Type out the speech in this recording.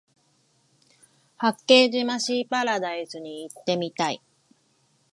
八景島シーパラダイスに行ってみたい